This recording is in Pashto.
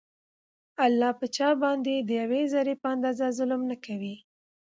الله په چا باندي د يوې ذري په اندازه ظلم نکوي